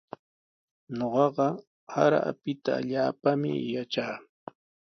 Ñuqaqa sara apita allaapami yatraa.